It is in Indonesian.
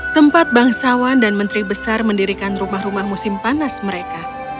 tempat bangsawan dan menteri besar mendirikan rumah rumah musim panas mereka